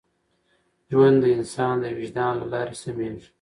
ژوند د انسان د وجدان له لارې سمېږي.